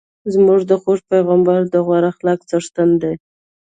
زموږ خوږ پیغمبر د غوره اخلاقو څښتن دی.